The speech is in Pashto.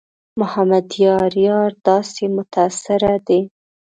محمد یار یار داسې متاثره دی.